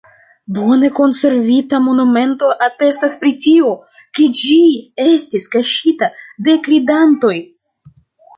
Bone konservita monumento atestas pri tio, ke ĝi estis kaŝita de kredantoj.